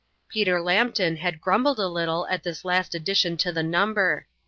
Peter Lambton had grumbled a little at this last addition to the number.